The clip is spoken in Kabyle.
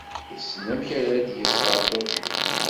Yessen amek ara d-yas ɣer Tokyo.